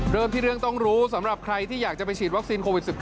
เริ่มที่เรื่องต้องรู้สำหรับใครที่อยากจะไปฉีดวัคซีนโควิด๑๙